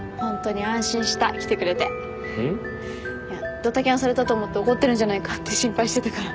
ドタキャンされたと思って怒ってるんじゃないかって心配してたから。